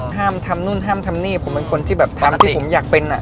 ห้ามทำนู่นห้ามทำนี่ผมเป็นคนที่แบบทำที่ผมอยากเป็นอ่ะ